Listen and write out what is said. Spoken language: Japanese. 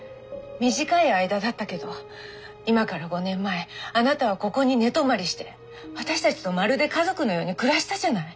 短い間だったけど今から５年前あなたはここに寝泊まりして私たちとまるで家族のように暮らしたじゃない。